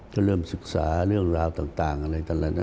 ก็เริ่มศึกษาเรื่องราวต่างอะไรเท่านั้น